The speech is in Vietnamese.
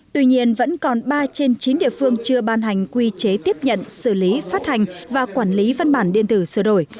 tuy nhiên vẫn còn ba trên chín địa phương chưa ban hành quy chế tiếp nhận xử lý phát hành và quản lý văn bản điện tử sửa đổi